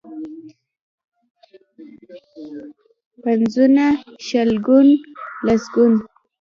پنځونه، شلګون ، لسګون.